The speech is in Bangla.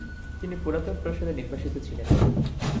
তিনি পুরাতন প্রাসাদে নির্বাসিত ছিলেন।